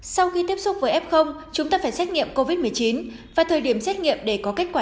sau khi tiếp xúc với f chúng ta phải xét nghiệm covid một mươi chín và thời điểm xét nghiệm để có kết quả